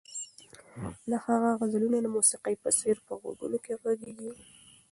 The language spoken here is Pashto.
د هغه غزلونه د موسیقۍ په څېر په غوږونو کې غږېږي.